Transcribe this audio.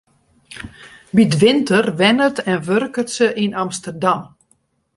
By 't winter wennet en wurket se yn Amsterdam.